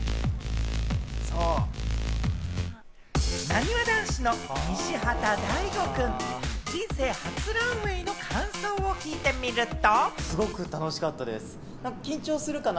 なにわ男子の西畑大吾君、人生初ランウェイの感想を聞いてみると。